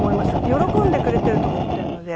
喜んでくれていると思っているので。